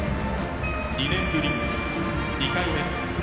２年ぶり２回目。